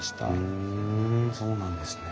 ふんそうなんですね。